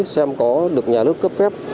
xem có được nhà nước cấp phép